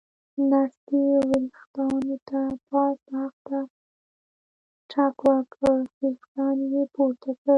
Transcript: نرسې ورېښتانو ته پاس اړخ ته ټک ورکړ، ورېښتان یې پورته کړل.